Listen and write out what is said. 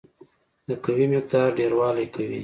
د قوې مقدار ډیروالی کوي.